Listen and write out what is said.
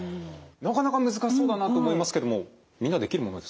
なかなか難しそうだなと思いますけどもみんなできるものですか？